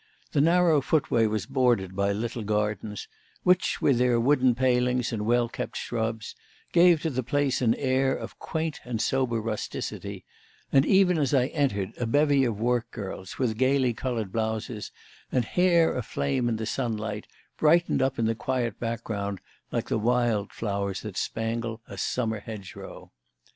The narrow footway was bordered by little gardens, which, with their wooden palings and well kept shrubs, gave to the place an air of quaint and sober rusticity; and even as I entered a bevy of work girls, with gaily coloured blouses and hair aflame in the sunlight, brightened up the quiet background like the wild flowers that spangle a summer hedgerow.